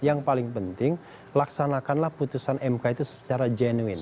yang paling penting laksanakanlah keputusan mk itu secara jenuin